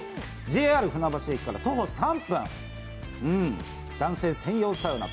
ＪＲ船橋駅から徒歩３分、男性専用サウナ。